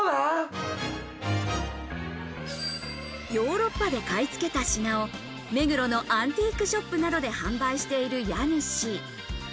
ヨーロッパで買い付けた品を、目黒のアンティークショップなどで販売している家主。